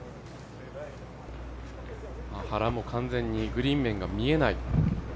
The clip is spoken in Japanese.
原も完全にグリーン面が見えない。